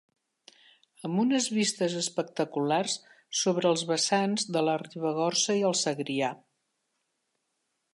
Amb unes vistes espectaculars sobre els vessants de la Ribagorça i el Segrià.